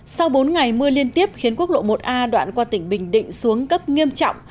sau bốn ngày mưa liên tiếp khiến quốc lộ một a đoạn qua tỉnh bình định xuống cấp nghiêm trọng